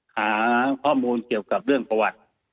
หาข้อมูลเกี่ยวกับเรื่องประวัติ